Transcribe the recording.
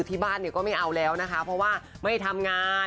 ที่บ้านเนี่ยก็ไม่เอาแล้วนะคะเพราะว่าไม่ทำงาน